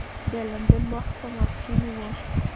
د لندن وخت په ماپښین و.